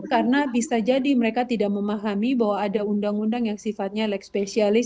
karena bisa jadi mereka tidak memahami bahwa ada undang undang yang sifatnya like spesialis